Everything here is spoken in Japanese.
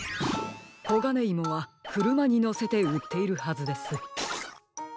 コガネイモはくるまにのせてうっているはずです。